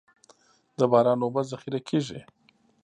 د باران اوبه ذخیره کیږي